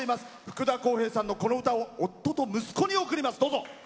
福田こうへいさんの、この歌を夫と息子に贈ります。